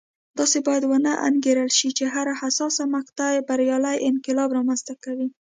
داسې باید ونه انګېرل شي چې هره حساسه مقطعه بریالی انقلاب رامنځته کوي.